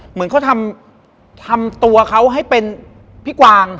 เหมือนเขาทำตัวเขาให้เป็นพี่กวาง